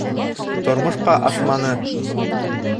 Тормошҡа ашманы.